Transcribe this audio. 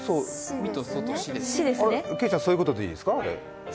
けいちゃん、そういうことでいいですか？